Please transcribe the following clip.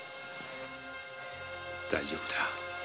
大丈夫だ。